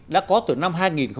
đã có từ năm hai nghìn hai